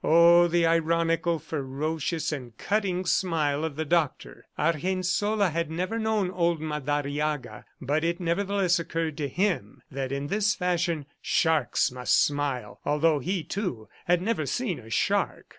Oh, the ironical, ferocious and cutting smile of the Doctor! Argensola had never known old Madariaga, but it, nevertheless, occurred to him that in this fashion sharks must smile, although he, too, had never seen a shark.